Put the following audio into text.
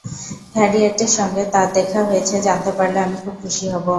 হ্যারিয়েটের সঙ্গে তাঁর দেখা হয়েছে জানতে পারলে আমি খুব খুশী হব।